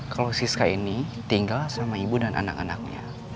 kalau siska ini tinggal sama ibu dan anak anaknya